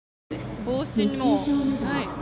帽子にも。